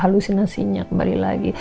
halusinasi nya kembali lagi